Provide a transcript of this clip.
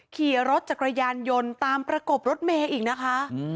ขี่รถจักรยานยนต์ตามประกบรถเมย์อีกนะคะ